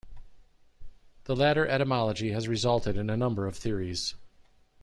The latter etymology has resulted in a number of theories.